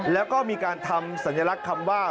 แล้วก็มีการทำสัญลักษณ์คำว่า